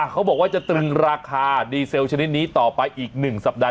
เขาบอกว่าจะตึงราคาดีเซลชนิดนี้ต่อไปอีก๑สัปดาห